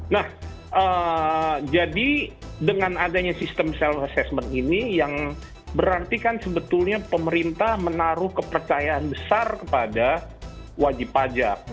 nah jadi dengan adanya sistem self assessment ini yang berarti kan sebetulnya pemerintah menaruh kepercayaan besar kepada wajib pajak